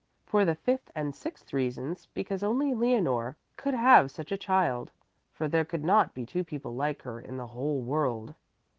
For the fifth and sixth reasons, because only Leonore could have such a child, for there could not be two people like her in the whole world."